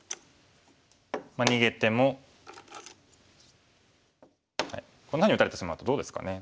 逃げてもこんなふうに打たれてしまうとどうですかね。